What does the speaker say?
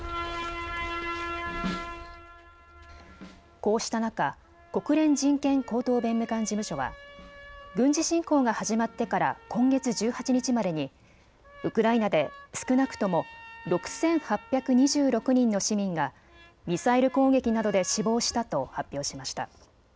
こうした中、国連人権高等弁務官事務所は軍事侵攻が始まってから今月１８日までにウクライナで少なくとも６８２６人の市民がミサイル攻撃などで死亡したと発表しました。